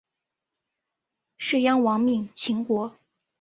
士鞅亡命秦国。